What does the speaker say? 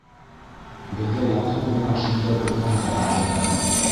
Беҙгә яҡын ғына шундай урманға ыңғайланыҡ.